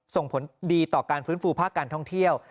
ส่งผลดีต่อการฟื้นฟูภาคการท่องเที่ยว